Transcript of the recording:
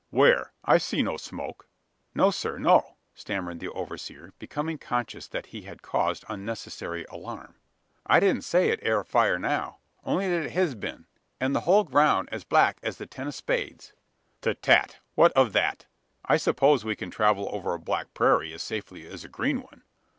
"Where? I see no smoke!" "No, sir no," stammered the overseer, becoming conscious that he had caused unnecessary alarm; "I didn't say it air afire now: only thet it hez been, an the hul ground air as black as the ten o' spades." "Ta tat! what of that? I suppose we can travel over a black prairie, as safely as a green one?